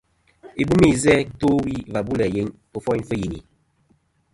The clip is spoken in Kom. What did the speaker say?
Ibɨmi izæ to wi và bu læ yeyn ɨfoyn fɨ yini.